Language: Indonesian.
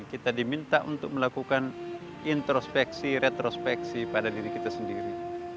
kita diminta untuk melakukan introspeksi retrospeksi pada diri kita sendiri